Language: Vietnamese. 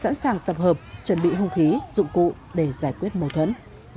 sẵn sàng tập hợp chuẩn bị hung khí dụng cụ để giải quyết mâu thuẫn